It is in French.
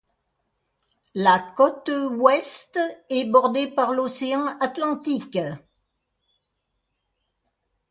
La côte Ouest est bordée par l'océan Atlantique.